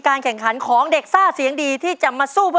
โดยการแข่งขาวของทีมเด็กเสียงดีจำนวนสองทีม